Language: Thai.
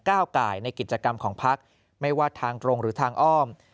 ก้าวไก่ในกิจกรรมของพักไม่ว่าทางตรงหรือทางอ้อม